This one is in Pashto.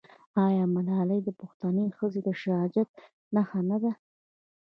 آیا ملالۍ د پښتنې ښځې د شجاعت نښه نه ده؟